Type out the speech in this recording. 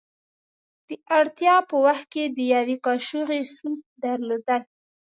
د اړتیا په وخت کې د یوې کاشوغې سوپ درلودل.